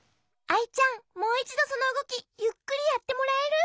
アイちゃんもういちどそのうごきゆっくりやってもらえる？